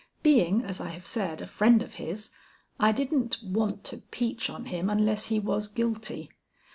Being as I have said a friend of his, I didn't, want to peach on him unless he was guilty.